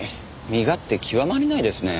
身勝手極まりないですね。